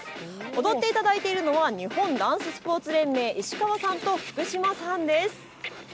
踊っていただいているのは日本ダンススポーツ連盟の石川さんと福島さんです。